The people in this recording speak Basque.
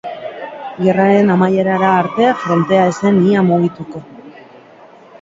Gerraren amaierara arte frontea ez zen ia mugituko.